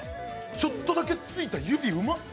ちょっとだけついた指うまっ。